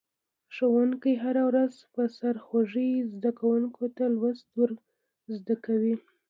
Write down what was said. ښوونکی هره ورځ په سرخوږي زده کونکو ته لوست ور زده کوي.